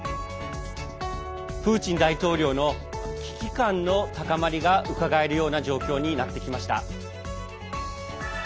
プーチン大統領の危機感の高まりがうかがえるような状況になってきました。